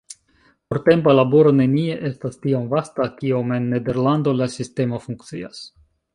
Portempa laboro nenie estas tiom vasta, kiom en Nederlando la sistemo funkcias.